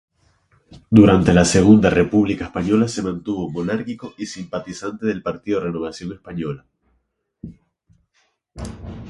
Durante la Segunda República Española se mantuvo monárquico y simpatizante del partido Renovación Española.